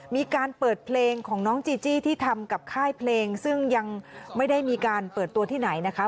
มีการเปิดเพลงของน้องจีจี้ที่ทำกับค่ายเพลงซึ่งยังไม่ได้มีการเปิดตัวที่ไหนนะคะ